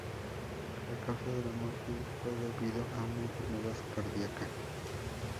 La causa de la muerte fue debido a una enfermedad cardíaca.